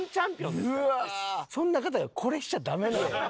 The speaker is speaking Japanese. そんな方がこれしちゃダメなのよ。